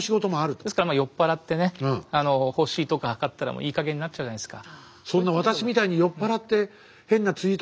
ですから酔っ払ってね星とか測ったらもういいかげんになっちゃうじゃないですか。